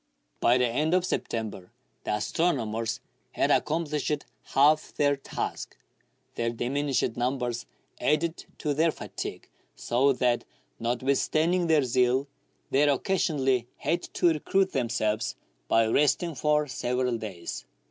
By the end of September the astronomers had accom plished half their task. Their diminished numbers added to their fatigue, so that, notwithstanding their zeal, they occasionally had to recruit themselves by resting for several days.